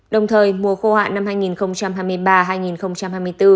đồng thời mùa khô hạn năm hai nghìn hai mươi ba hai nghìn hai mươi bốn